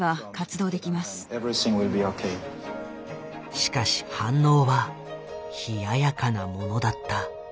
しかし反応は冷ややかなものだった。